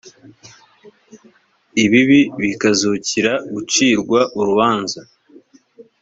ibibi bakazukira gucirwa urubanza